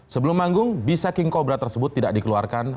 sebelum manggung bisa king cobra tersebut tidak dikeluarkan